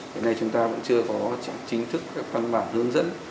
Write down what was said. hiện nay chúng ta vẫn chưa có chính thức các văn bản hướng dẫn